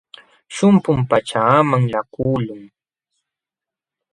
Shumpum pachaaman laqakulqun.